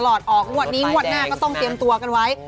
รถป้ายแดงนะพี่เจมส์รวดนี้รถหน้าก็ต้องเตรียมตัวกันไว้